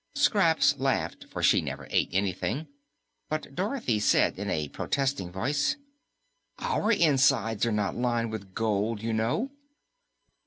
Scraps laughed, for she never ate anything, but Dorothy said in a protesting voice, "OUR insides are not lined with gold, you know."